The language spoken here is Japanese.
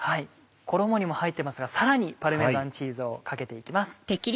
衣にも入ってますがさらにパルメザンチーズをかけて行きます。